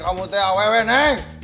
kamu teh aww neng